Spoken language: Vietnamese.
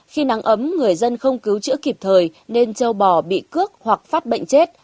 khi nắng ấm người dân không cứu chữa kịp thời nên châu bò bị cướp hoặc phát bệnh chết